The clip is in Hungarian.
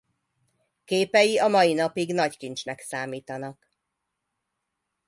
Képei a mai napig nagy kincsnek számítanak.